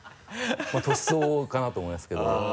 年相応かなと思いますけど。